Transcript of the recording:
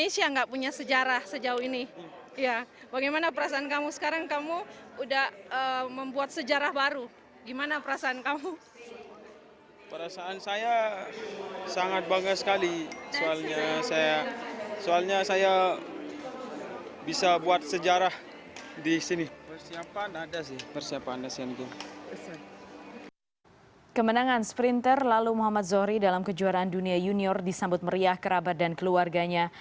sangat bangga sekali terhadap apa yang saya dapatkan hari ini